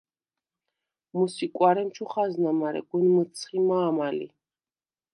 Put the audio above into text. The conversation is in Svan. მუს ი კუ̂არემ ჩუ ხაზნა, მარე გუნ მჷცხი მა̄მა ლი.